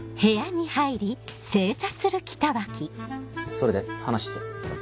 それで話って？